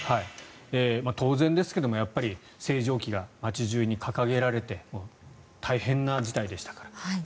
当然ですが星条旗が街中に掲げられて大変な事態でしたから。